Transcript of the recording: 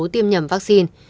tiêm nhầm vaccine